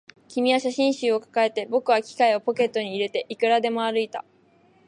君は写真集を抱えて、僕は機械をポケットに入れて、いくらでも歩いた